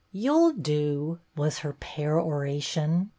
"You 'll do," was her peroration.